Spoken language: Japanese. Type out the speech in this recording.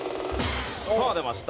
さあ出ました。